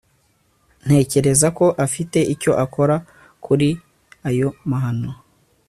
Ntekereza ko afite icyo akora kuri ayo mahano